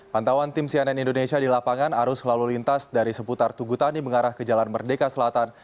pantauan tim cnn indonesia di lapangan arus lalu lintas dari seputar tugutani mengarah ke jalan merdeka selatan